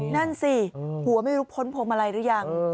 นั่นสิหัวไม่รู้พ้นผมอะไรหรือยัง